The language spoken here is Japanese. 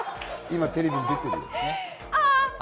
今、テレビに出てるよ。